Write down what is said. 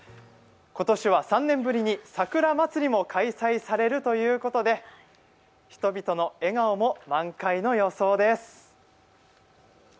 今年は３年ぶりに桜まつりも開催されるということで人々の笑顔も満開の予想です。